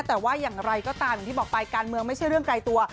แต่ว่าอย่างไรก็ตามอย่างที่บอกไปการเมืองไม่ใช่เรื่องไกลตัว